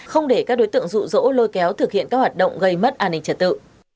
không để các đối tượng rụ rỗ lôi kéo thực hiện các hoạt động gây mất an ninh trật tự